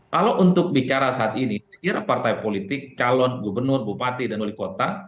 kalau untuk bicara saat ini saya kira partai politik calon gubernur bupati dan wali kota